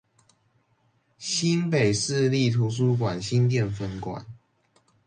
新北市立圖書館新店分館